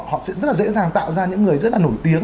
họ sẽ rất là dễ dàng tạo ra những người rất là nổi tiếng